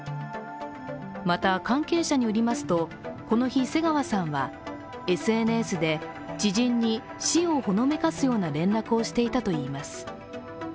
また、関係者によりますと、この日、瀬川さんはＳＮＳで、知人に、死をほのめかすような連絡をしていたといいます。